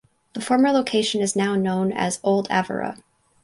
The former location is now known as Old Avera.